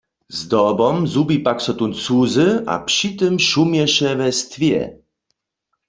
Zdobom zhubi pak so tón cuzy a při tym šumješe we jstwě.